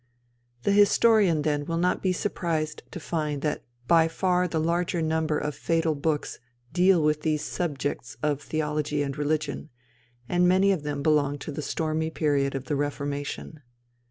The historian then will not be surprised to find that by far the larger number of Fatal Books deal with these subjects of Theology and Religion, and many of them belong to the stormy period of the Reformation.